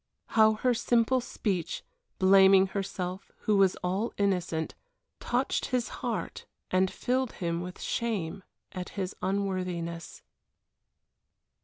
How her simple speech, blaming herself who was all innocent, touched his heart and filled him with shame at his unworthiness.